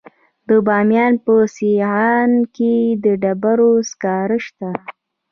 د بامیان په سیغان کې د ډبرو سکاره شته.